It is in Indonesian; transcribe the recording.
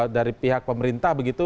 dari pihak pemerintah